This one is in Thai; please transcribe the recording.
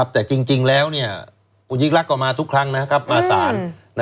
แต่จริงแล้วคุณยิ่งรักก็มาทุกครั้งมาสาร